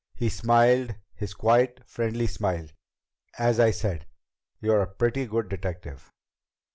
He smiled his quiet, friendly smile. "As I said, you're a pretty good detective."